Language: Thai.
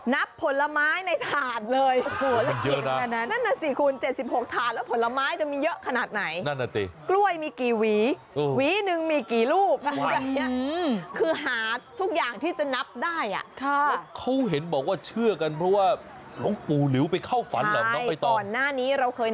นับผลไม้ในถาดเลย